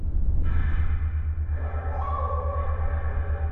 یو د بل په وینو سره به کړي لاسونه!.